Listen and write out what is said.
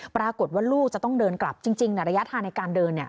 ปรากฏว่าลูกจะต้องเดินกลับจริงระยะทางในการเดิน